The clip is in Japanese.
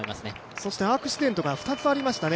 そしてアクシデントが２つありましたね。